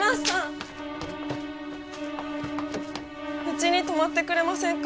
家に泊まってくれませんか？